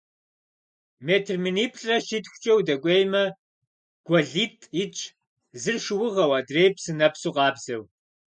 Метр миниплӏрэ щитхукӀэ удэкӀуеймэ, гуэлитӀ итщ, зыр шыугъэу, адрейр псынэпсу къабзэу.